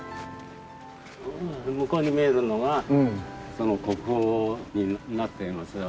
向こうに見えるのが国宝になってます。